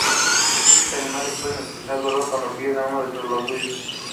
Muchos animales pueden expresar dolor cuando pierden a uno de los suyos.